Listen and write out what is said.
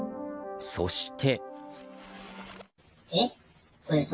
そして。